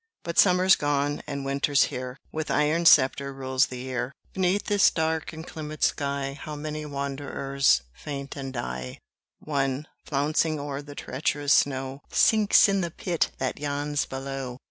But Summer's gone, and Winter's here With iron sceptre rules the year Beneath this dark inclement sky How many wanderers faint and die! One, flouncing o'er the treacherous snow, Sinks in the pit that yawns below!